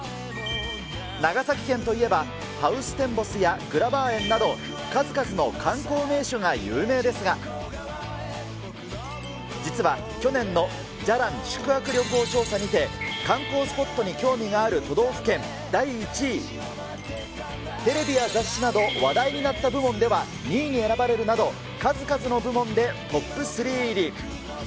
長崎県といえばハウステンボスやグラバー園など、数々の観光名所が有名ですが、実は去年のじゃらん宿泊旅行調査にて、観光スポットに興味がある都道府県第１位、テレビや雑誌など話題になった部門では２位に選ばれるなど、数々の部門でトップ３入り。